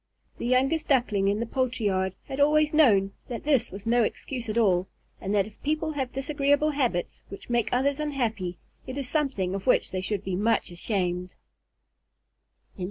The youngest Duckling in the poultry yard had always known that this was no excuse at all, and that if people have disagreeable habits which make others unhappy, it is something of which they should be much ashamed.